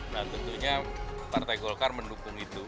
nah tentunya partai golkar mendukung itu